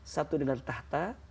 satu dengan tahta